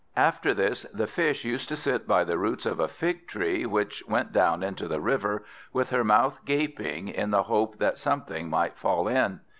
After this the Fish used to sit by the roots of a fig tree which went down into the river, with her mouth gaping, in the hope that something might fall in.